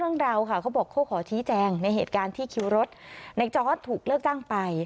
นายจอร์ดถูกเลิกจ้างไป